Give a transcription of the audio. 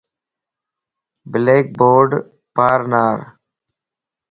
بليڪ بورڊ پار نار.